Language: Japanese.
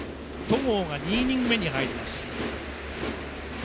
戸郷が２イニング目に入ります。